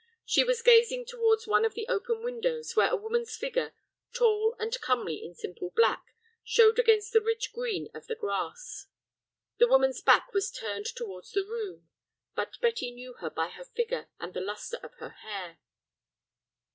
She was gazing towards one of the open windows where a woman's figure, tall and comely in simple black, showed against the rich green of the grass. The woman's back was turned towards the room, but Betty knew her by her figure and the lustre of her hair.